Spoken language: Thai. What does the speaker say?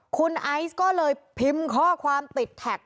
คุณไอซ์ก็เลยพิมพ์ข้อความติดแท็ก